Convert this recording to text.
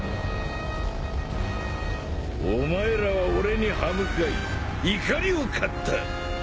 お前らは俺に歯向かい怒りを買った。